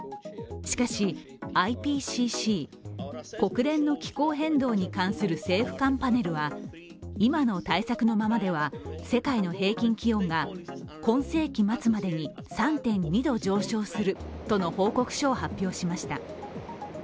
しかし、ＩＰＣＣ＝国連の気候変動に関する政府間パネルは今の対策のままでは世界の平均気温が今世紀末までに３．２度上昇するとの報告書を発表しました。